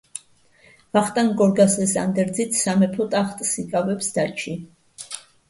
ვახტანგ გორგასლის ანდერძით სამეფო ტახტს იკავებს დაჩი.